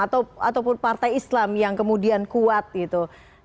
ataupun partai islam yang kemudian kuat gitu